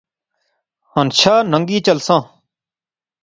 ہنچھا ننگی چلساں